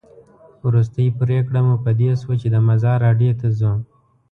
وروستۍ پرېکړه مو په دې شوه چې د مزار اډې ته ځو.